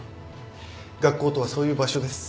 学校とはそういう場所です。